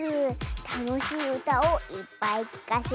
たのしいうたをいっぱいきかせちゃうズー。